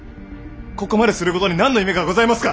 ここまですることに何の意味がございますか！